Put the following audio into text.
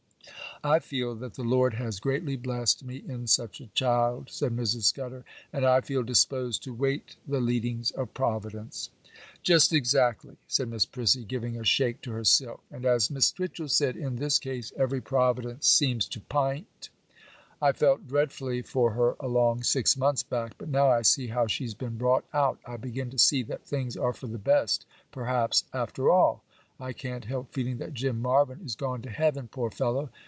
'I feel that the Lord has greatly blessed me in such a child,' said Mrs. Scudder, 'and I feel disposed to wait the leadings of Providence.' 'Just exactly,' said Miss Prissy, giving a shake to her silk; 'and as Miss Twitchel said, in this case every providence seems to p'int. I felt dreadfully for her along six months back; but now I see how she's been brought out, I begin to see that things are for the best, perhaps, after all. I can't help feeling that Jim Marvyn is gone to heaven, poor fellow!